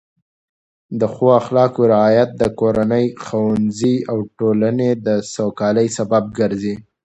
د ښو اخلاقو رعایت د کورنۍ، ښوونځي او ټولنې د سوکالۍ سبب ګرځي.